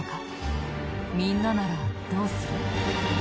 みんなならどうする？